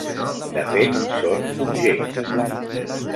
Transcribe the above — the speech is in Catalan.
De fet, són objectes.